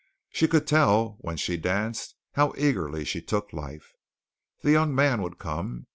She could tell when she danced how eagerly she took life. The young man would come.